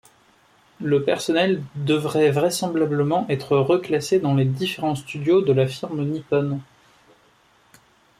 Le personnel devrait vraisemblablement être reclassé dans les différents studios de la firme nippone.